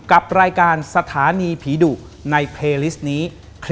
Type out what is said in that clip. ขอบคุณครับผี